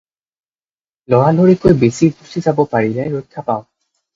লৰালৰিকৈ বেচি গুচি যাব পাৰিলে ৰক্ষা পাওঁ।